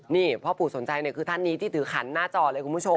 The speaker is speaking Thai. นี่พ่อปู่สนใจเนี่ยคือท่านนี้ที่ถือขันหน้าจอเลยคุณผู้ชม